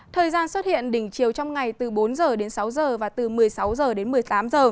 thời gian xuất hiện đỉnh chiều trong ngày từ bốn giờ đến sáu giờ và từ một mươi sáu h đến một mươi tám h